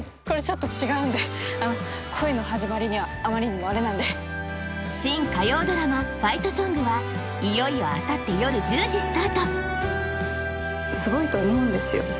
これちょっと違うんであの恋の始まりにはあまりにもあれなんで新火曜ドラマ「ファイトソング」はいよいよあさって夜１０時スタートすごいと思うんですよ